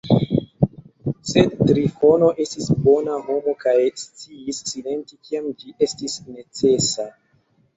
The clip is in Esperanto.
Sed Trifono estis bona homo kaj sciis silenti, kiam ĝi estis necesa.